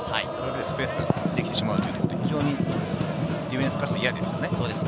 スペースができてしまうというところで、非常にディフェンスからすると嫌ですね。